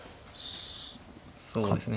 そうですね。